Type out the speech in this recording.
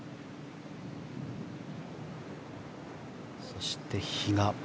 そして比嘉。